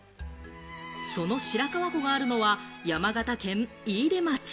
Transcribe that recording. その白川湖があるのは山形県飯豊町。